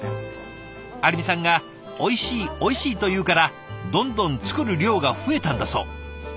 有美さんがおいしいおいしいと言うからどんどん作る量が増えたんだそう。